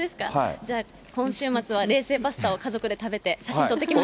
じゃあ、今週末は冷製パスタを家族で食べて、写真撮ってきます。